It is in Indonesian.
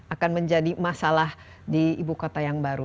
akan menjadi masalah di ibu kota yang baru